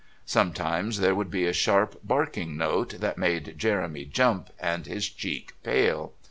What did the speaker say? Sometimes there would be a sharp, barking note that made Jeremy jump and his cheek pale.